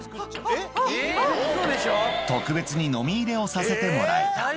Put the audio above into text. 特別にノミ入れをさせてもらえた。